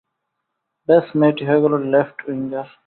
ব্যাস, মেয়েটি হয়ে গেল লেফট উইঙ্গার।